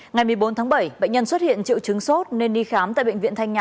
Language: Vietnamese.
ngày một mươi bốn tháng bảy bệnh nhân xuất hiện triệu chứng sốt nên đi khám tại bệnh viện thanh nhà